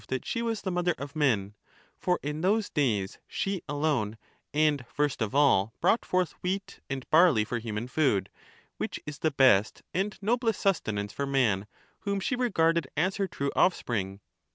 that she was the mother of men, for in those days she alone and first of all brought forth wheat and barley for human 238 food, which is the best and noblest sustenance for man, whom she regarded as her true offspring.